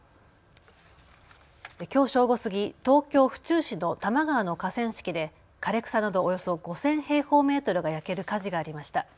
きょう正午過ぎ、東京府中市の多摩川の河川敷で枯れ草などおよそ５０００平方メートルが焼ける火事がありました。